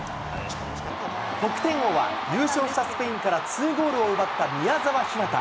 得点王は、優勝したスペインから２ゴールを奪った宮澤ひなた。